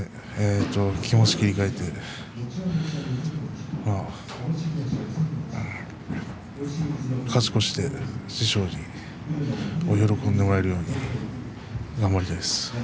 気持ちを切り替えて勝ち越して師匠に喜んでもらえるように頑張りたいです。